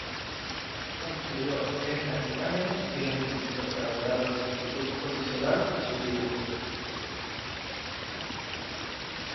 Amplió estas imágenes y las utilizó para dotar de exactitud posicional a sus dibujos.